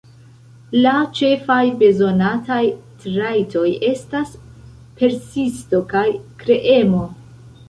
La ĉefaj bezonataj trajtoj estas persisto kaj kreemo.